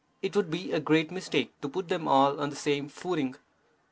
It would be a great mistake to put them all on the same footing.